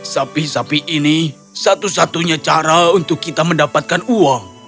sapi sapi ini satu satunya cara untuk kita mendapatkan uang